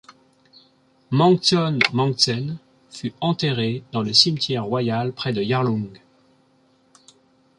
Mangson mangtsen fut enterré dans le cimetière royal près de Yarlung.